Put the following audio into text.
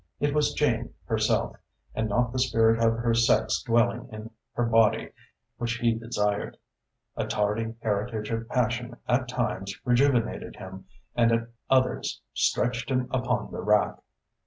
It was Jane herself, and not the spirit of her sex dwelling in her body, which he desired. A tardy heritage of passion at times rejuvenated him and at others stretched him upon the rack.